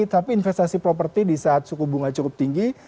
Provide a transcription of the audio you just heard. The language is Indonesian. tapi investasi properti di saat suku bunga cukup tinggi